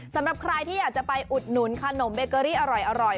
สำหรับใครที่อยากจะไปอุดหนุนขนมเบเกอรี่อร่อย